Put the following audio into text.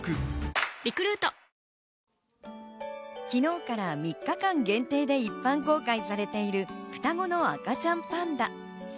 昨日から３日間限定で一般公開されている双子の赤ちゃんパンダ。